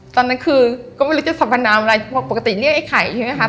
ตอนนั้นคือก็ไม่รู้จะสัมพนามอะไรเพราะปกติเรียกไอ้ไข่ใช่ไหมครับ